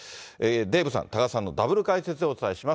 デーブさん、多賀さんのダブル解説でお伝えします。